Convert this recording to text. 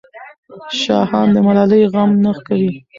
شاهان د ملالۍ غم نه کوي.